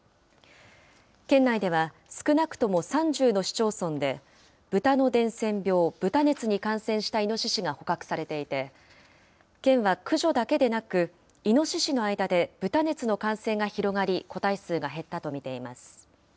県内では、少なくとも３０の市町村でブタの伝染病、豚熱に感染したイノシシが捕獲されていて、県は駆除だけでなく、イノシシの間で豚熱の感染が広がり、個体数が減ったと見ています。